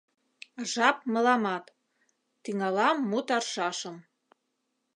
Жап мыламат — тӱҥалам мут аршашым